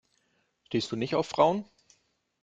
Stehst du nicht auf Frauen?